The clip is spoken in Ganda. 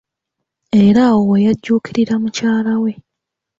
Era awo we yajjuukirira mukyala we.